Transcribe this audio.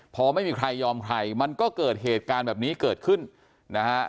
พอไม่มีใครยอมใครมันก็เกิดเหตุการณ์แบบนี้เกิดขึ้นนะฮะ